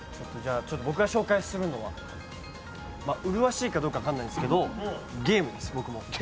僕が紹介するのは、麗しいかどうか分からないんですけど、僕もゲームです。